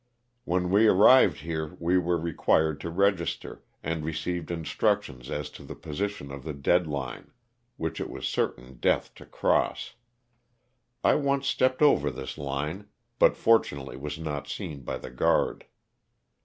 When we arrived here we were required to register, and received instructions as to the position of the dead line, which it was certain death to cross. I once stepped over this line, but fortunately was not seen by the guard.